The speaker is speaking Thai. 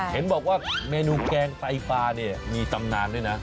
เห็นบอกว่าเมนูแกงไตฟาเนี่ยมีตำนานด้วยนะ